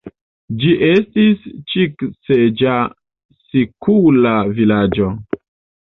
Ĝi estis ĉik-seĝa sikula vilaĝo.